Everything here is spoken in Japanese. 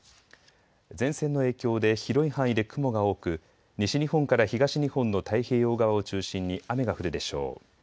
前線の影響で広い範囲で雲が多く西日本から東日本の太平洋側を中心に雨が降るでしょう。